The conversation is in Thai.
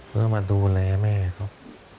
เพื่อมาดูแลแม่ครับ